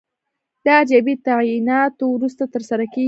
دا ارزیابي د تعیناتو وروسته ترسره کیږي.